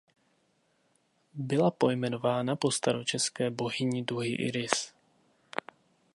Byla pojmenována po starořecké bohyni duhy Iris.